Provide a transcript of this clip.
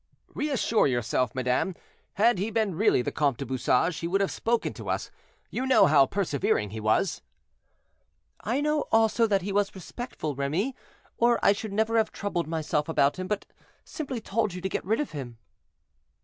"Reassure yourself, madame, had he been really the Comte du Bouchage, he would have spoken to us; you know how persevering he was." "I know also that he was respectful, Remy, or I should never have troubled myself about him, but simply told you to get rid of him."